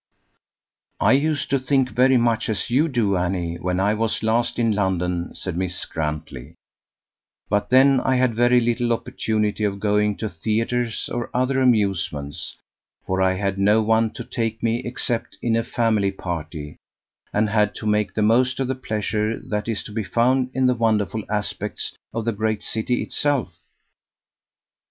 "I used to think very much as you do, Annie, when I was last in London," said Miss Grantley; "but then I had very little opportunity of going to theatres or other amusements, for I had no one to take me except in a family party, and had to make the most of the pleasure that is to be found in the wonderful aspects of the great city itself.